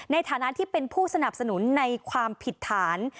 ในฐานะที่เป็นผู้สนับสนุนในความผิดฐาน